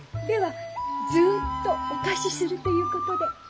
ではずっとお貸しするということで。